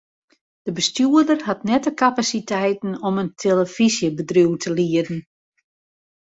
De bestjoerder hat net de kapasiteiten om in telefyzjebedriuw te lieden.